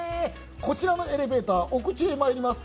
こちらのエレベーターお口へまいります。